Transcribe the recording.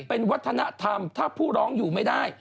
เป็นวัฒนธรรมถ้าผู้ร้องอยู่ไม่ได้